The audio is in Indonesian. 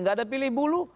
gak ada pilih bulu